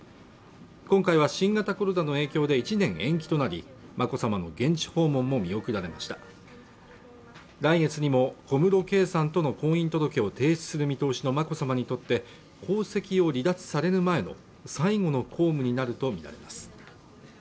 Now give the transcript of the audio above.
今回は新型コロナの影響で１年延期となり眞子さまの現地訪問も見送られました来月にも小室圭さんとの婚姻届を提出する見通しの眞子さまにとって皇籍を離脱される前の最後の公務になると見られます